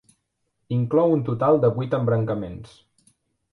Inclou un total de vuit embrancaments.